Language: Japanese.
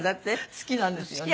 好きなんですよね。